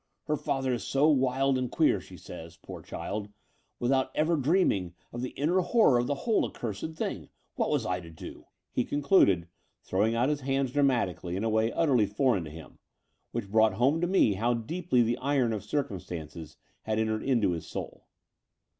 Her father is so wild and queer, she says, poor child, without ever dreaming of the inner horror of the whole accursed thing. What was I to do ?" he concluded, throwing out his hands dramatically in a way utterly foreign to him, which brought home to me how deeply the iron of circumstances had entered into his soul.